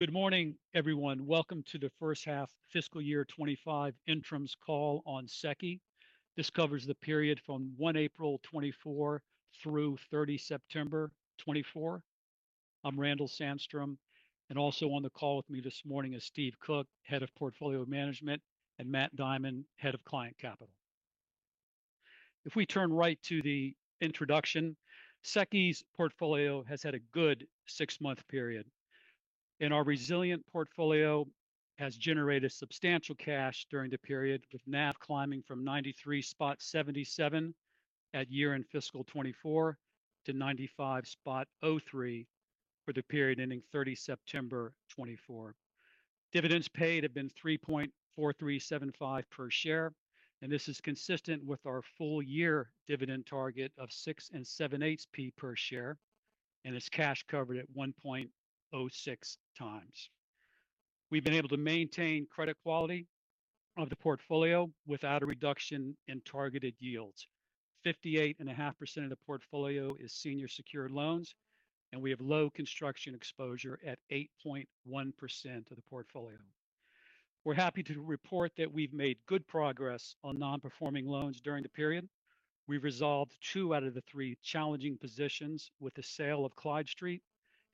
Good morning, everyone. Welcome to the first half of fiscal year 2025 interims call on SEQI. This covers the period from 1 April 2024 through 30 September 2024. I'm Randall Sandstrom, and also on the call with me this morning is Steve Cook, Head of Portfolio Management, and Matt Dimond, Head of Client Capital. If we turn right to the introduction, SEQI's portfolio has had a good six-month period, and our resilient portfolio has generated substantial cash during the period, with NAV climbing from 93.77 at year-end fiscal 2024 to 95.03 for the period ending 30 September 2024. Dividends paid have been $3.4375 per share, and this is consistent with our full-year dividend target of $6.78 per share, and it's cash covered at 1.06x. We've been able to maintain credit quality of the portfolio without a reduction in targeted yields. 58.5% of the portfolio is senior secured loans, and we have low construction exposure at 8.1% of the portfolio. We're happy to report that we've made good progress on non-performing loans during the period. We've resolved two out of the three challenging positions with the sale of Clyde Street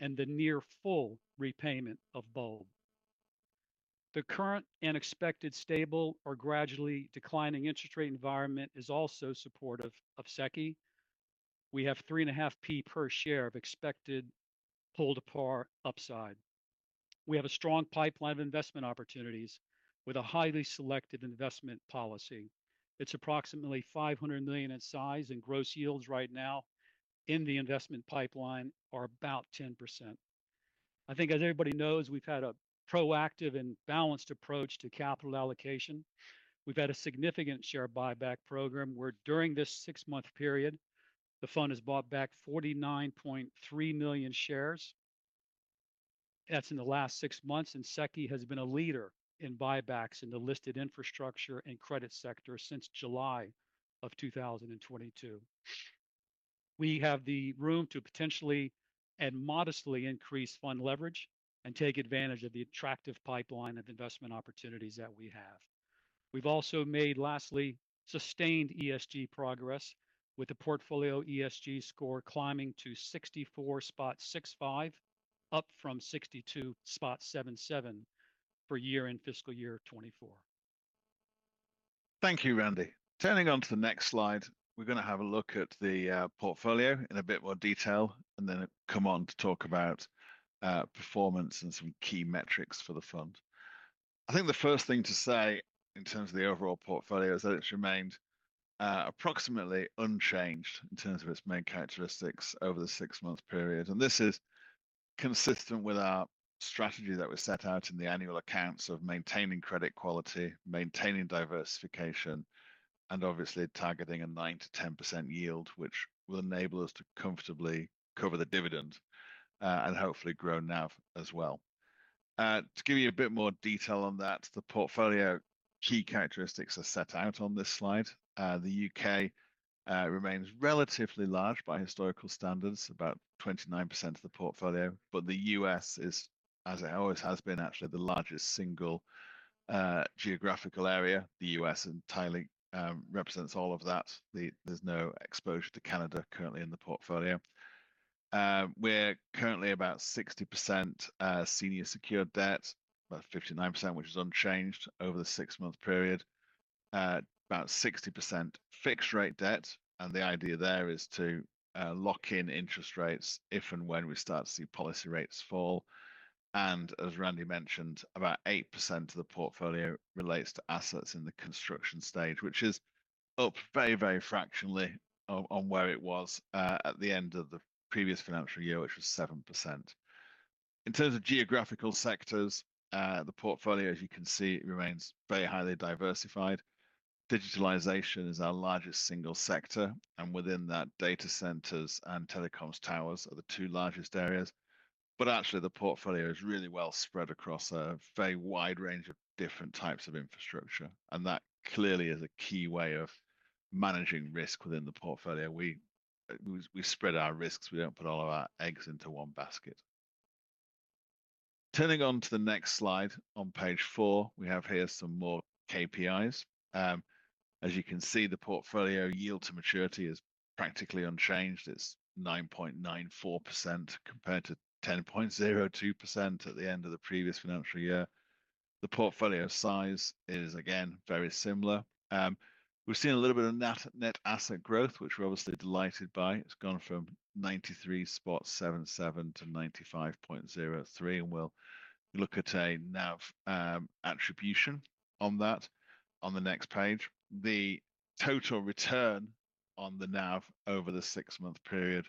and the near-full repayment of Bulb. The current and expected stable or gradually declining interest rate environment is also supportive of SEQI. We have 3.5p per share of expected pull-to-par upside. We have a strong pipeline of investment opportunities with a highly selective investment policy. It's approximately $500 million in size, and gross yields right now in the investment pipeline are about 10%. I think, as everybody knows, we've had a proactive and balanced approach to capital allocation. We've had a significant share buyback program where, during this six-month period, the fund has bought back 49.3 million shares. That's in the last six months, and SEQI has been a leader in buybacks in the listed infrastructure and credit sector since July of 2022. We have the room to potentially and modestly increase fund leverage and take advantage of the attractive pipeline of investment opportunities that we have. We've also made, lastly, sustained ESG progress with the portfolio ESG score climbing to 64.65, up from 62.77 for year-end fiscal year 2024. Thank you, Randy. Turning on to the next slide, we're going to have a look at the portfolio in a bit more detail, and then come on to talk about performance and some key metrics for the fund. I think the first thing to say in terms of the overall portfolio is that it's remained approximately unchanged in terms of its main characteristics over the six-month period, and this is consistent with our strategy that was set out in the annual accounts of maintaining credit quality, maintaining diversification, and obviously targeting a 9%-10% yield, which will enable us to comfortably cover the dividend and hopefully grow NAV as well. To give you a bit more detail on that, the portfolio key characteristics are set out on this slide. The U.K. remains relatively large by historical standards, about 29% of the portfolio, but the U.S. is, as it always has been, actually the largest single geographical area. The U.S. entirely represents all of that. There's no exposure to Canada currently in the portfolio. We're currently about 60% senior secured debt, about 59%, which is unchanged over the six-month period, about 60% fixed-rate debt, and the idea there is to lock in interest rates if and when we start to see policy rates fall, and as Randy mentioned, about 8% of the portfolio relates to assets in the construction stage, which is up very, very fractionally on where it was at the end of the previous financial year, which was 7%. In terms of geographic sectors, the portfolio, as you can see, remains very highly diversified. Digitalization is our largest single sector, and within that, data centers and telecoms towers are the two largest areas. But actually, the portfolio is really well spread across a very wide range of different types of infrastructure, and that clearly is a key way of managing risk within the portfolio. We spread our risks. We don't put all of our eggs into one basket. Turning on to the next slide, on page four, we have here some more KPIs. As you can see, the portfolio yield to maturity is practically unchanged. It's 9.94% compared to 10.02% at the end of the previous financial year. The portfolio size is, again, very similar. We've seen a little bit of net asset growth, which we're obviously delighted by. It's gone from 93.77 to 95.03, and we'll look at a NAV attribution on that on the next page. The total return on the NAV over the six-month period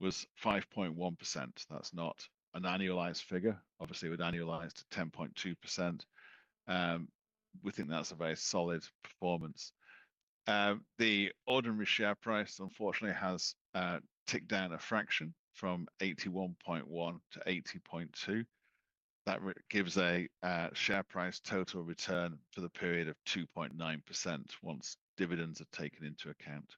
was 5.1%. That's not an annualized figure. Obviously, we'd annualized to 10.2%. We think that's a very solid performance. The ordinary share price, unfortunately, has ticked down a fraction from 81.1 to 80.2. That gives a share price total return for the period of 2.9% once dividends are taken into account.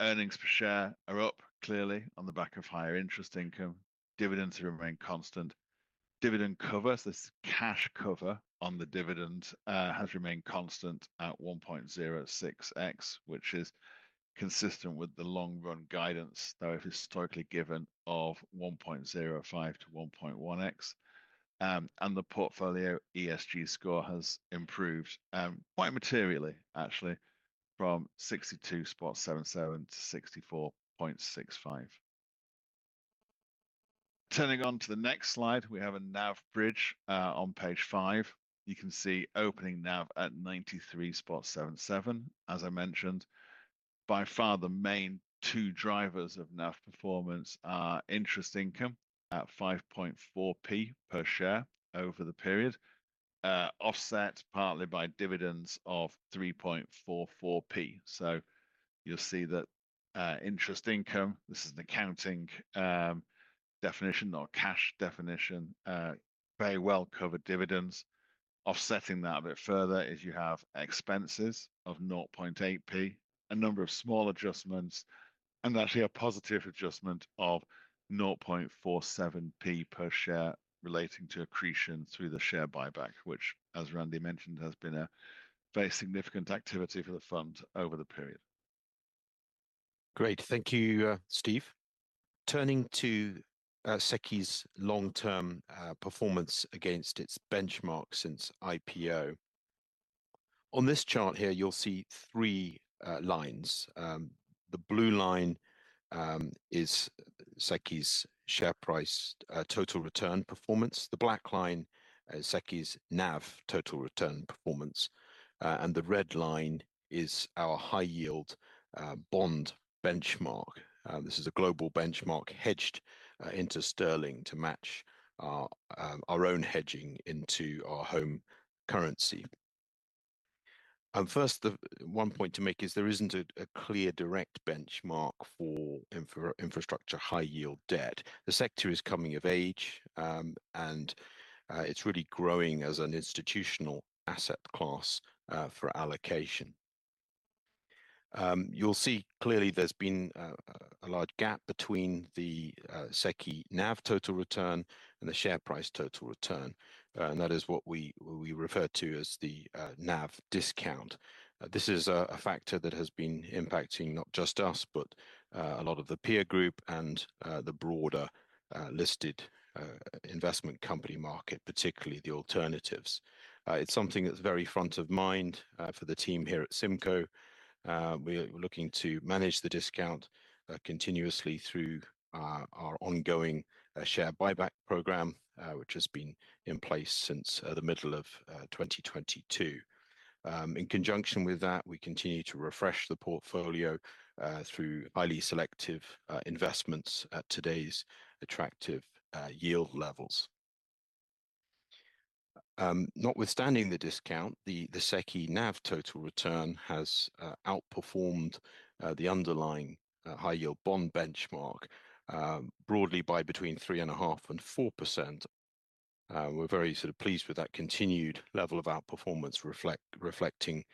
Earnings per share are up clearly on the back of higher interest income. Dividends have remained constant. Dividend cover, so this cash cover on the dividend, has remained constant at 1.06x, which is consistent with the long-run guidance that we've historically given of 1.05-1.1x. And the portfolio ESG score has improved quite materially, actually, from 62.77 to 64.65. Turning to the next slide, we have a NAV bridge on page five. You can see opening NAV at 93.77, as I mentioned. By far, the main two drivers of NAV performance are interest income at 5.4p per share over the period, offset partly by dividends of 3.44p. So you'll see that interest income, this is an accounting definition, not a cash definition, very well-covered dividends. Offsetting that a bit further is you have expenses of 0.8p, a number of small adjustments, and actually a positive adjustment of 0.47p per share relating to accretion through the share buyback, which, as Randy mentioned, has been a very significant activity for the fund over the period. Great. Thank you, Steve. Turning to SEQI's long-term performance against its benchmark since IPO. On this chart here, you'll see three lines. The blue line is SEQI's share price total return performance. The black line is SEQI's NAV total return performance, and the red line is our high-yield bond benchmark. This is a global benchmark hedged into sterling to match our own hedging into our home currency, and first, one point to make is there isn't a clear direct benchmark for infrastructure high-yield debt. The sector is coming of age, and it's really growing as an institutional asset class for allocation. You'll see clearly there's been a large gap between the SEQI NAV total return and the share price total return, and that is what we refer to as the NAV discount. This is a factor that has been impacting not just us, but a lot of the peer group and the broader listed investment company market, particularly the alternatives. It's something that's very front of mind for the team here at SIMCO. We're looking to manage the discount continuously through our ongoing share buyback program, which has been in place since the middle of 2022. In conjunction with that, we continue to refresh the portfolio through highly selective investments at today's attractive yield levels. Notwithstanding the discount, the SEQI NAV total return has outperformed the underlying high-yield bond benchmark broadly by between 3.5% and 4%. We're very sort of pleased with that continued level of outperformance reflecting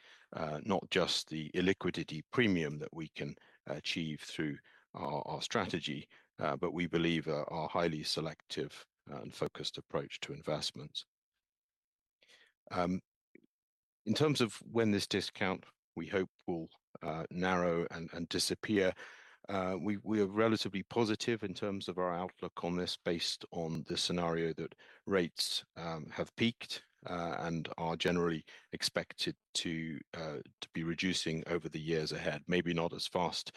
not just the illiquidity premium that we can achieve through our strategy, but we believe our highly selective and focused approach to investments. In terms of when this discount, we hope, will narrow and disappear, we are relatively positive in terms of our outlook on this based on the scenario that rates have peaked and are generally expected to be reducing over the years ahead, maybe not as fast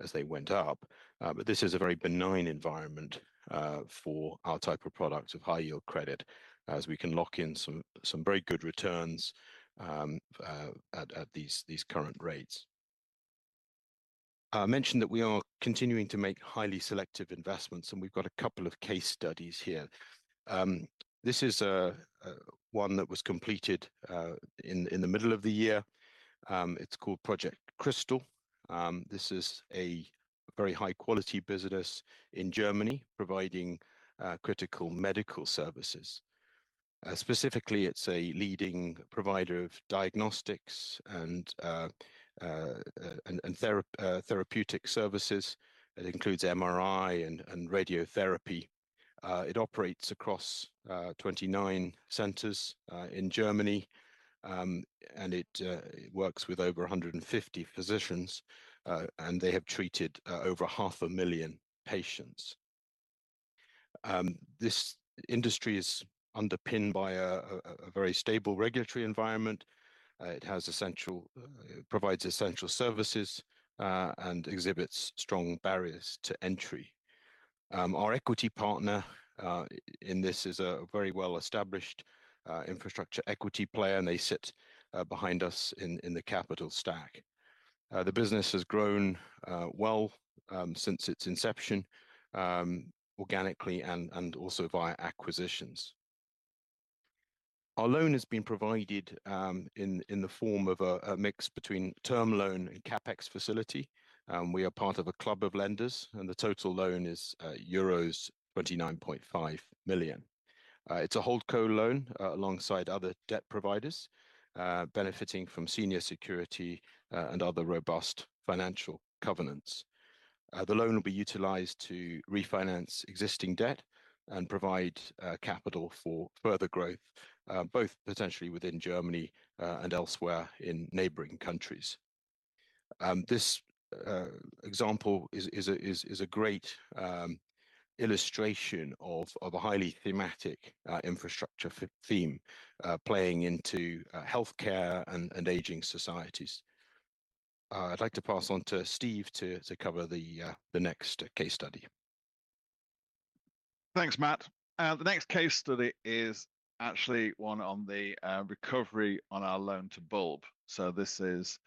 as they went up. But this is a very benign environment for our type of product of high-yield credit, as we can lock in some very good returns at these current rates. I mentioned that we are continuing to make highly selective investments, and we've got a couple of case studies here. This is one that was completed in the middle of the year. It's called Project Crystal. This is a very high-quality business in Germany providing critical medical services. Specifically, it's a leading provider of diagnostics and therapeutic services. It includes MRI and radiotherapy. It operates across 29 centers in Germany, and it works with over 150 physicians, and they have treated over 500,000 patients. This industry is underpinned by a very stable regulatory environment. It provides essential services and exhibits strong barriers to entry. Our equity partner in this is a very well-established infrastructure equity player, and they sit behind us in the capital stack. The business has grown well since its inception organically and also via acquisitions. Our loan has been provided in the form of a mix between term loan and CapEx facility. We are part of a club of lenders, and the total loan is euros 29.5 million. It's a Holdco loan alongside other debt providers, benefiting from senior security and other robust financial covenants. The loan will be utilized to refinance existing debt and provide capital for further growth, both potentially within Germany and elsewhere in neighboring countries. This example is a great illustration of a highly thematic infrastructure theme playing into healthcare and aging societies. I'd like to pass on to Steve to cover the next case study. Thanks, Matt. The next case study is actually one on the recovery on our loan to Bulb, so this is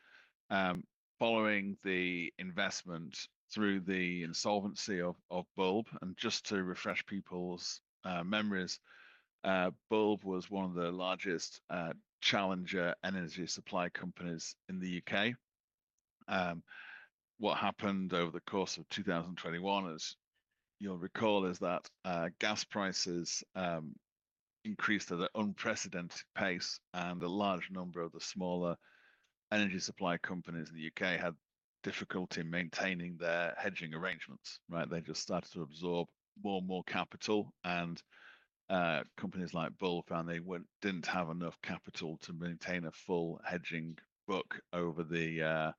following the investment through the insolvency of Bulb, and just to refresh people's memories, Bulb was one of the largest challenger energy supply companies in the U.K. What happened over the course of 2021, as you'll recall, is that gas prices increased at an unprecedented pace, and a large number of the smaller energy supply companies in the U.K. had difficulty maintaining their hedging arrangements. They just started to absorb more and more capital, and companies like Bulb found they didn't have enough capital to maintain a full hedging book over the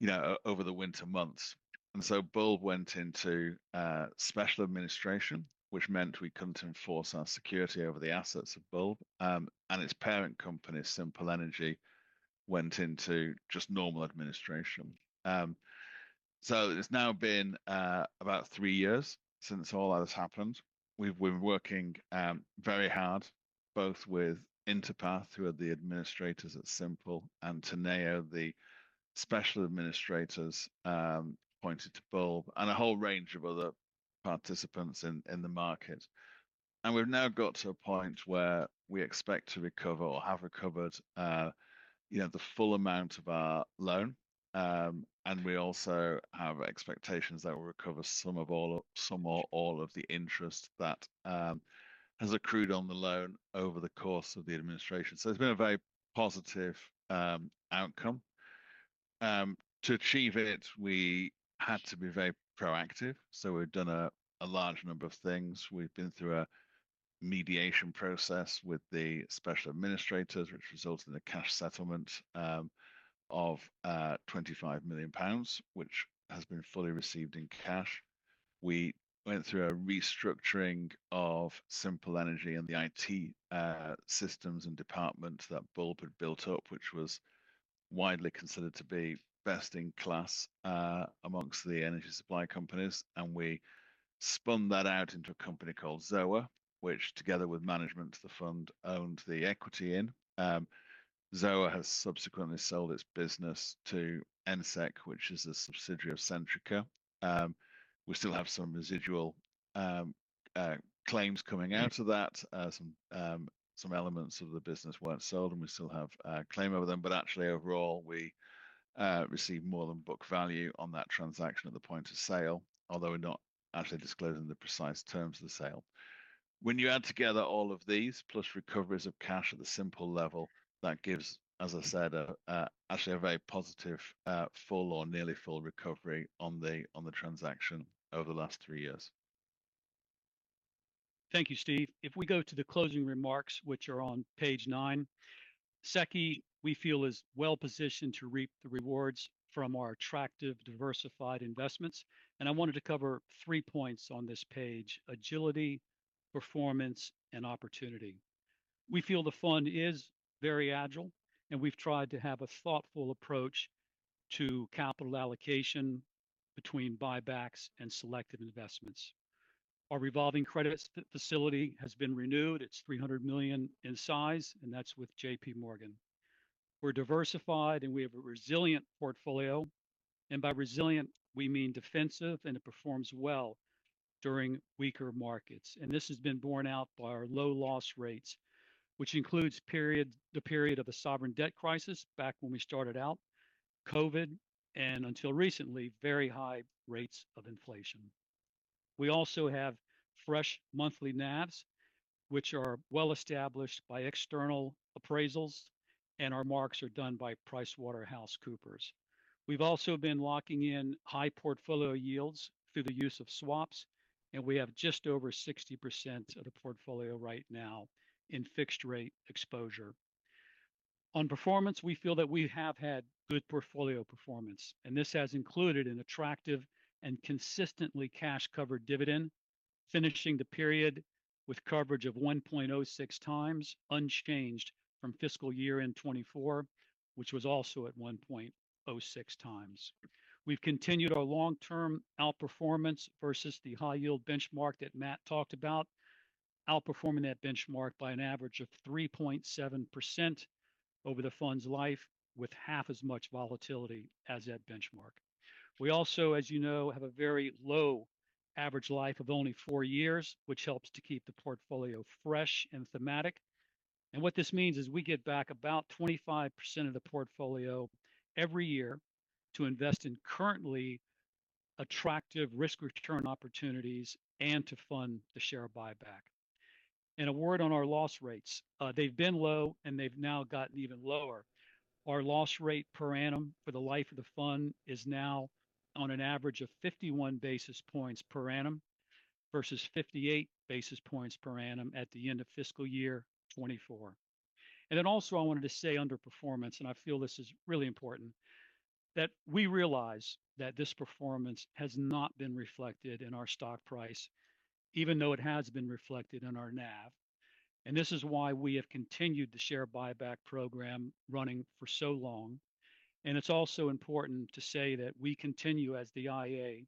winter months, and so Bulb went into special administration, which meant we couldn't enforce our security over the assets of Bulb, and its parent company, Simple Energy, went into just normal administration. It's now been about three years since all that has happened. We've been working very hard, both with Interpath, who are the administrators at Simple, and Teneo, the special administrators appointed to Bulb, and a whole range of other participants in the market. And we've now got to a point where we expect to recover or have recovered the full amount of our loan, and we also have expectations that we'll recover some or all of the interest that has accrued on the loan over the course of the administration. So it's been a very positive outcome. To achieve it, we had to be very proactive. So we've done a large number of things. We've been through a mediation process with the special administrators, which resulted in a cash settlement of 25 million pounds, which has been fully received in cash. We went through a restructuring of Simple Energy and the IT systems and department that Bulb had built up, which was widely considered to be best in class amongst the energy supply companies, and we spun that out into a company called Zoa, which, together with management, the fund owned the equity in. Zoa has subsequently sold its business to ENSEK, which is a subsidiary of Centrica. We still have some residual claims coming out of that. Some elements of the business weren't sold, and we still have a claim over them, but actually, overall, we received more than book value on that transaction at the point of sale, although we're not actually disclosing the precise terms of the sale. When you add together all of these, plus recoveries of cash at the Simple level, that gives, as I said, actually a very positive full or nearly full recovery on the transaction over the last three years. Thank you, Steve. If we go to the closing remarks, which are on page nine, SEQI, we feel, is well positioned to reap the rewards from our attractive, diversified investments. And I wanted to cover three points on this page: agility, performance, and opportunity. We feel the fund is very agile, and we've tried to have a thoughtful approach to capital allocation between buybacks and selected investments. Our revolving credit facility has been renewed. It's 300 million in size, and that's with JPMorgan. We're diversified, and we have a resilient portfolio. And by resilient, we mean defensive, and it performs well during weaker markets. And this has been borne out by our low loss rates, which includes the period of the sovereign debt crisis back when we started out, COVID, and until recently, very high rates of inflation. We also have fresh monthly NAVs, which are well established by external appraisals, and our marks are done by PricewaterhouseCoopers. We've also been locking in high portfolio yields through the use of swaps, and we have just over 60% of the portfolio right now in fixed-rate exposure. On performance, we feel that we have had good portfolio performance, and this has included an attractive and consistently cash-covered dividend, finishing the period with coverage of 1.06 times unchanged from fiscal year in 2024, which was also at 1.06 times. We've continued our long-term outperformance versus the high-yield benchmark that Matt talked about, outperforming that benchmark by an average of 3.7% over the fund's life, with half as much volatility as that benchmark. We also, as you know, have a very low average life of only four years, which helps to keep the portfolio fresh and thematic. What this means is we get back about 25% of the portfolio every year to invest in currently attractive risk-return opportunities and to fund the share buyback. In a word on our loss rates, they've been low, and they've now gotten even lower. Our loss rate per annum for the life of the fund is now on an average of 51 basis points per annum versus 58 basis points per annum at the end of fiscal year 2024. I wanted to say underperformance, and I feel this is really important, that we realize that this performance has not been reflected in our stock price, even though it has been reflected in our NAV. This is why we have continued the share buyback program running for so long. It's also important to say that we continue as the IA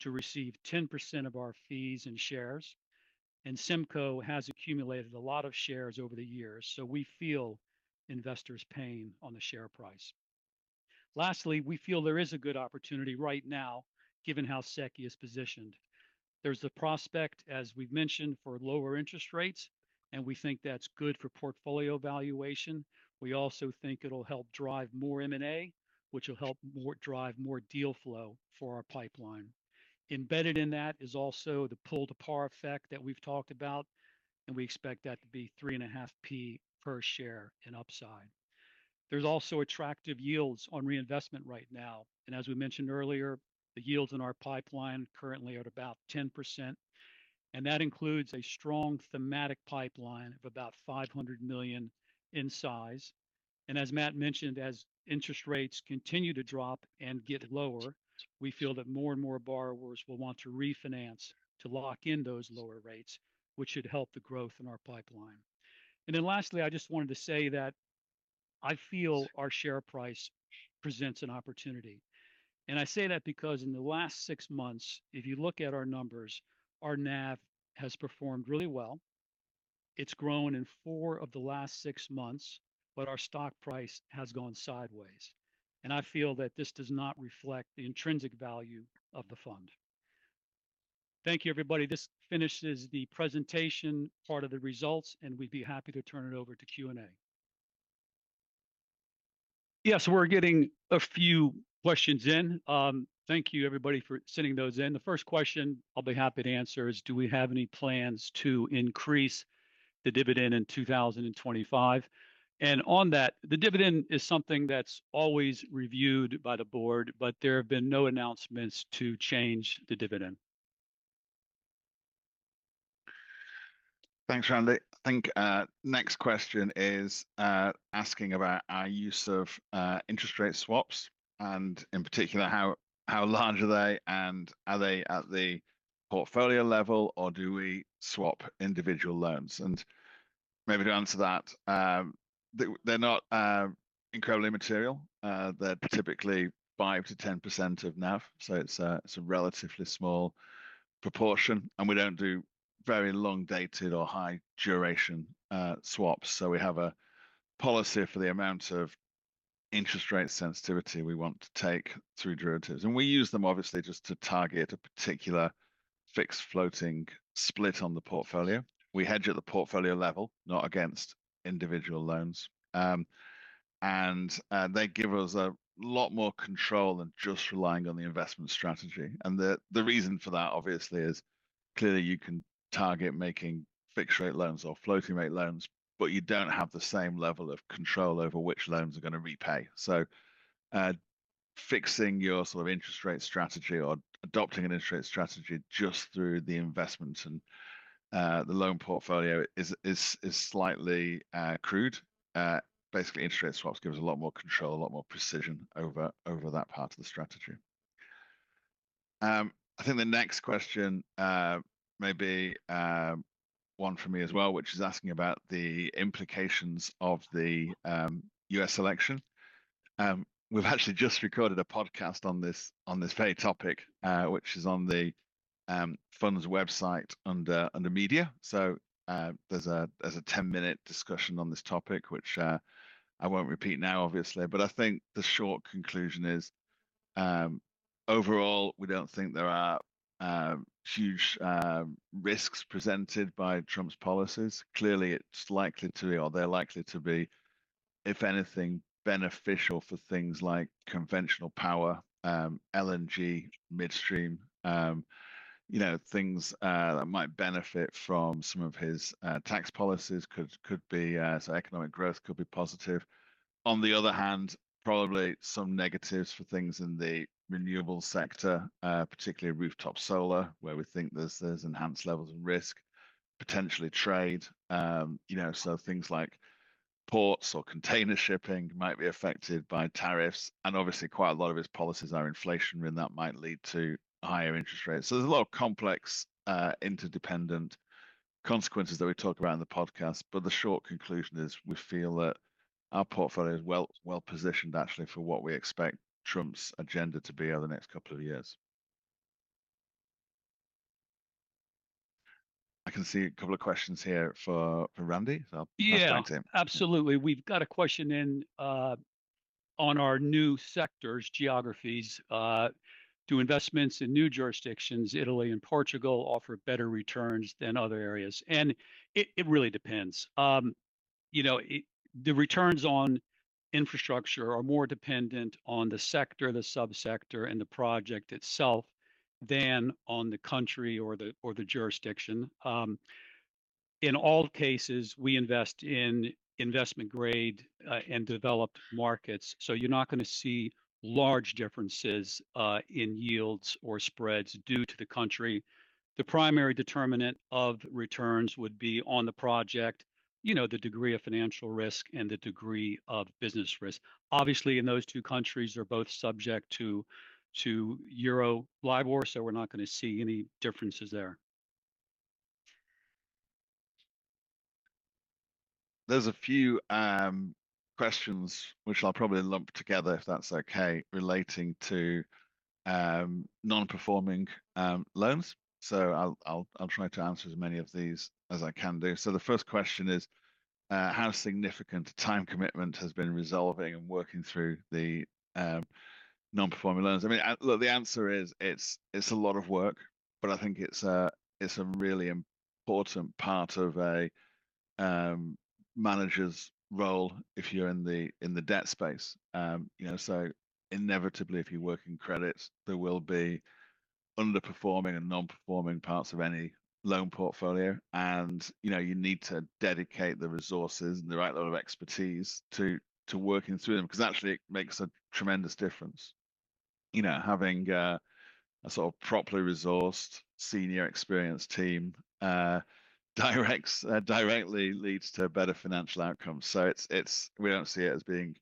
to receive 10% of our fees and shares, and SIMCO has accumulated a lot of shares over the years, so we feel investors paying on the share price. Lastly, we feel there is a good opportunity right now, given how SEQI is positioned. There's the prospect, as we've mentioned, for lower interest rates, and we think that's good for portfolio valuation. We also think it'll help drive more M&A, which will help drive more deal flow for our pipeline. Embedded in that is also the pull-to-par effect that we've talked about, and we expect that to be 3.5p per share in upside. There's also attractive yields on reinvestment right now. And as we mentioned earlier, the yields in our pipeline currently are at about 10%. And that includes a strong thematic pipeline of about £500 million in size. And as Matt mentioned, as interest rates continue to drop and get lower, we feel that more and more borrowers will want to refinance to lock in those lower rates, which should help the growth in our pipeline. And then lastly, I just wanted to say that I feel our share price presents an opportunity. And I say that because in the last six months, if you look at our numbers, our NAV has performed really well. It's grown in four of the last six months, but our stock price has gone sideways. And I feel that this does not reflect the intrinsic value of the fund. Thank you, everybody. This finishes the presentation part of the results, and we'd be happy to turn it over to Q&A. Yes, we're getting a few questions in. Thank you, everybody, for sending those in. The first question I'll be happy to answer is, do we have any plans to increase the dividend in 2025? And on that, the dividend is something that's always reviewed by the board, but there have been no announcements to change the dividend. Thanks, Randall. I think the next question is asking about our use of interest rate swaps and, in particular, how large are they and are they at the portfolio level or do we swap individual loans? And maybe to answer that, they're not incredibly material. They're typically 5%-10% of NAV, so it's a relatively small proportion, and we don't do very long-dated or high-duration swaps. So we have a policy for the amount of interest rate sensitivity we want to take through derivatives. And we use them, obviously, just to target a particular fixed floating split on the portfolio. We hedge at the portfolio level, not against individual loans. And they give us a lot more control than just relying on the investment strategy. The reason for that, obviously, is clearly you can target making fixed-rate loans or floating-rate loans, but you don't have the same level of control over which loans are going to repay. So fixing your sort of interest rate strategy or adopting an interest rate strategy just through the investment and the loan portfolio is slightly crude. Basically, interest rate swaps give us a lot more control, a lot more precision over that part of the strategy. I think the next question may be one for me as well, which is asking about the implications of the U.S. election. We've actually just recorded a podcast on this very topic, which is on the fund's website under media. So there's a 10-minute discussion on this topic, which I won't repeat now, obviously. But I think the short conclusion is, overall, we don't think there are huge risks presented by Trump's policies. Clearly, it's likely to be, or they're likely to be, if anything, beneficial for things like conventional power, LNG, midstream, things that might benefit from some of his tax policies. So economic growth could be positive. On the other hand, probably some negatives for things in the renewable sector, particularly rooftop solar, where we think there's enhanced levels of risk, potentially trade. So things like ports or container shipping might be affected by tariffs. And obviously, quite a lot of his policies are inflationary, and that might lead to higher interest rates. So there's a lot of complex interdependent consequences that we talk about in the podcast. But the short conclusion is we feel that our portfolio is well positioned, actually, for what we expect Trump's agenda to be over the next couple of years. I can see a couple of questions here for Randy, so I'll just tag team. Yes, absolutely. We've got a question in on our new sectors, geographies. Do investments in new jurisdictions, Italy and Portugal, offer better returns than other areas? And it really depends. The returns on infrastructure are more dependent on the sector, the subsector, and the project itself than on the country or the jurisdiction. In all cases, we invest in investment-grade and developed markets. So you're not going to see large differences in yields or spreads due to the country. The primary determinant of returns would be on the project, the degree of financial risk and the degree of business risk. Obviously, in those two countries, they're both subject to Euro LIBOR, so we're not going to see any differences there. There's a few questions, which I'll probably lump together, if that's okay, relating to non-performing loans. So I'll try to answer as many of these as I can do. So the first question is, how significant a time commitment has been resolving and working through the non-performing loans? I mean, look, the answer is it's a lot of work, but I think it's a really important part of a manager's role if you're in the debt space. So inevitably, if you work in credits, there will be underperforming and non-performing parts of any loan portfolio. And you need to dedicate the resources and the right level of expertise to working through them because actually, it makes a tremendous difference. Having a sort of properly resourced, senior, experienced team directly leads to better financial outcomes. So we don't see it as being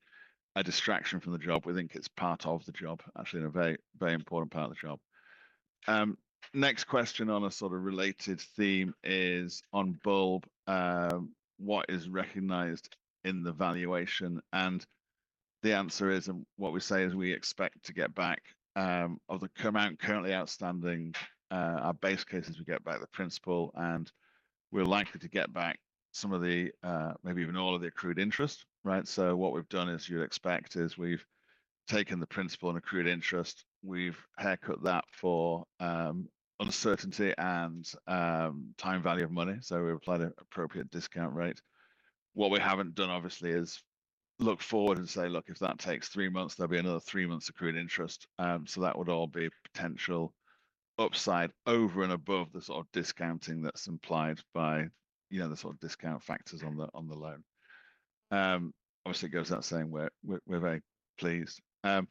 a distraction from the job. We think it's part of the job, actually, and a very important part of the job. Next question on a sort of related theme is on Bulb, what is recognized in the valuation? And the answer is, and what we say is we expect to get back of the currently outstanding, our base cases, we get back the principal, and we're likely to get back some of the, maybe even all of the accrued interest. So what we've done is you'd expect is we've taken the principal and accrued interest. We've haircut that for uncertainty and time value of money. So we've applied an appropriate discount rate. What we haven't done, obviously, is look forward and say, look, if that takes three months, there'll be another three months accrued interest. So that would all be potential upside over and above the sort of discounting that's implied by the sort of discount factors on the loan. Obviously, it goes without saying we're very pleased. Then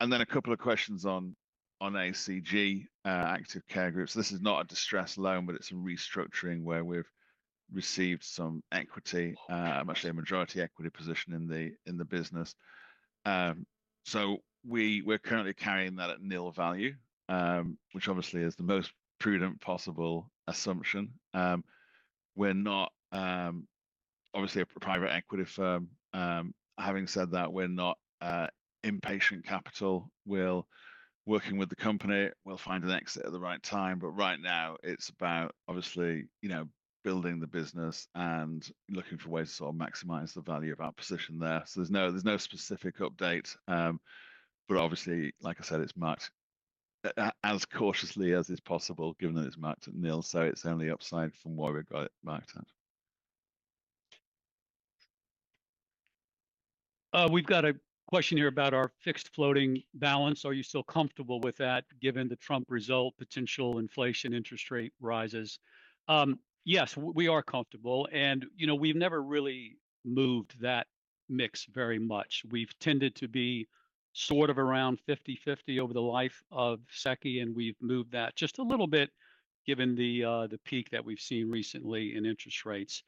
a couple of questions on ACG. Active Care Group. This is not a distressed loan, but it's a restructuring where we've received some equity, actually a majority equity position in the business. So we're currently carrying that at nil value, which obviously is the most prudent possible assumption. We're not obviously a private equity firm. Having said that, we're not impatient capital. We're working with the company. We'll find an exit at the right time. But right now, it's about obviously building the business and looking for ways to sort of maximize the value of our position there. So there's no specific update. But obviously, like I said, it's marked as cautiously as is possible, given that it's marked at nil. So it's only upside from what we've got it marked at. We've got a question here about our fixed floating balance. Are you still comfortable with that given the Trump result, potential inflation, interest rate rises? Yes, we are comfortable. And we've never really moved that mix very much. We've tended to be sort of around 50-50 over the life of SEQI, and we've moved that just a little bit given the peak that we've seen recently in interest rates.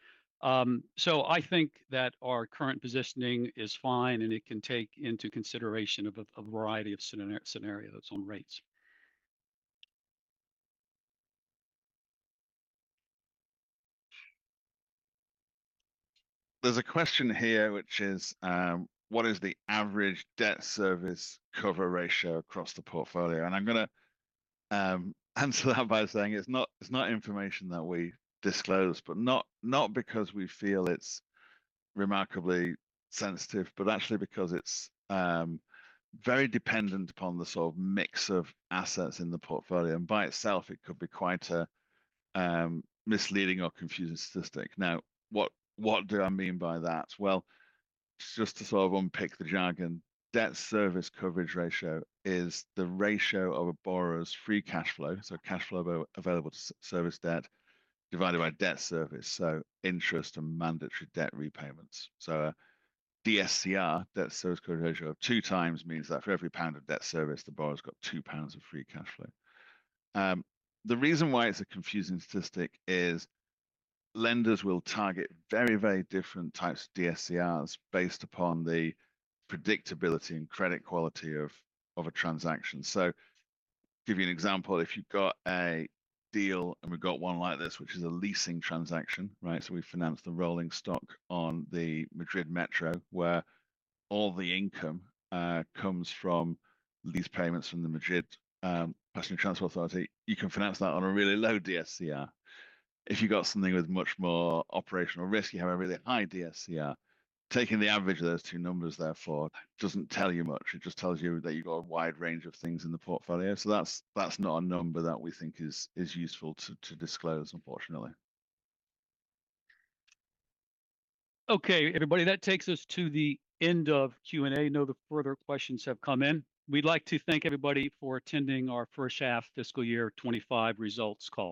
So I think that our current positioning is fine, and it can take into consideration a variety of scenarios on rates. There's a question here, which is, what is the average debt service coverage ratio across the portfolio? And I'm going to answer that by saying it's not information that we disclose, but not because we feel it's remarkably sensitive, but actually because it's very dependent upon the sort of mix of assets in the portfolio. And by itself, it could be quite a misleading or confusing statistic. Now, what do I mean by that? Well, just to sort of unpick the jargon, debt service coverage ratio is the ratio of a borrower's free cash flow, so cash flow available to service debt, divided by debt service, so interest and mandatory debt repayments. So a DSCR, debt service coverage ratio of two times means that for every pound of debt service, the borrower's got two pounds of free cash flow. The reason why it's a confusing statistic is lenders will target very, very different types of DSCRs based upon the predictability and credit quality of a transaction. So to give you an example, if you've got a deal and we've got one like this, which is a leasing transaction, so we finance the rolling stock on the Madrid Metro, where all the income comes from lease payments from the Madrid Public Transport Authority, you can finance that on a really low DSCR. If you've got something with much more operational risk, you have a really high DSCR. Taking the average of those two numbers, therefore, doesn't tell you much. It just tells you that you've got a wide range of things in the portfolio. So that's not a number that we think is useful to disclose, unfortunately. Okay, everybody. That takes us to the end of Q&A. No further questions have come in. We'd like to thank everybody for attending our first half fiscal year 2025 results call.